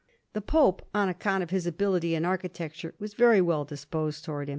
The Pope, on account of his ability in architecture, was very well disposed towards him.